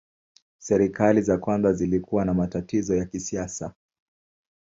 Serikali za kwanza zilikuwa na matatizo ya kisiasa.